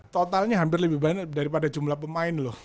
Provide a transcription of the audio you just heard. totalnya hampir lebih banyak daripada jumlah pemain loh